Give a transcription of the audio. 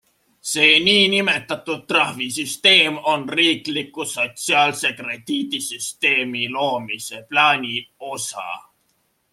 See nn trahvisüsteem on riikliku sotsiaalse krediidisüsteemi loomise plaani osa.